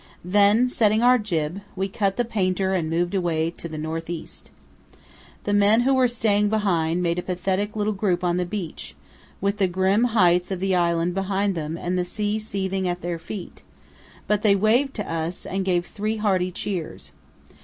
Then, setting our jib, we cut the painter and moved away to the north east. The men who were staying behind made a pathetic little group on the beach, with the grim heights of the island behind them and the sea seething at their feet, but they waved to us and gave three hearty cheers.